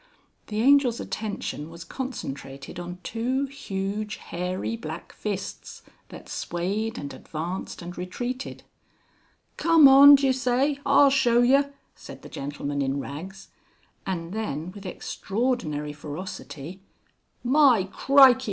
The Angel's attention was concentrated on two huge hairy black fists, that swayed and advanced and retreated. "Come on d'yer say? I'll show yer," said the gentleman in rags, and then with extraordinary ferocity; "My crikey!